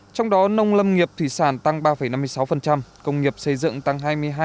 trong đó nông lâm nghiệp thủy sản tăng ba năm mươi sáu công nghiệp xây dựng tăng hai mươi hai hai mươi ba